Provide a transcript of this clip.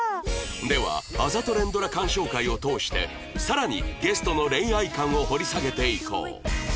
ではあざと連ドラ鑑賞会を通して更にゲストの恋愛感を掘り下げていこう